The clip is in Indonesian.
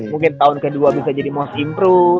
mungkin tahun ke dua bisa jadi most improved